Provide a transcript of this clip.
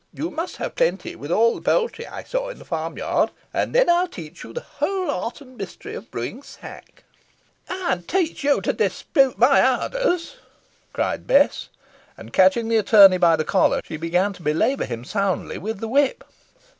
You must have plenty, with all the poultry I saw in the farm yard; and then I'll teach you the whole art and mystery of brewing sack." "Ey'n teach yo to dispute my orders," cried Bess. And, catching the attorney by the collar, she began to belabour him soundly with the whip.